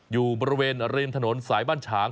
อยู่บริเวณริมถนนสายบ้านฉาง